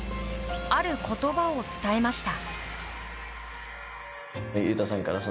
ある言葉を伝えました。